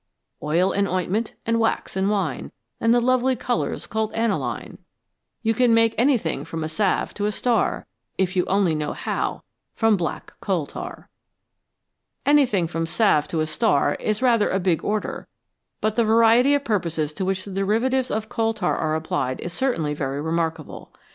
Oil and ointment, and wax and wine, And the lovely colours called aniline ; You can make anything from a salve to a star, If you only know how, from black coal tar." "Anything from a salve to a star" is rather a big order, but the variety of purposes to which the derivatives of coal tar are applied is certainly very remarkable.